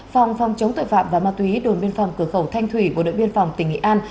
phòng phòng chống tội phạm và ma túy đồn biên phòng cửa khẩu thanh thủy bộ đội biên phòng tỉnh nghệ an